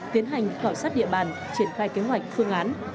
tiến hành khảo sát địa bàn triển khai kế hoạch phương án